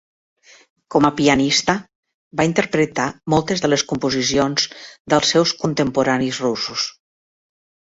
Com a pianista, va interpretar moltes de les composicions dels seus contemporanis russos.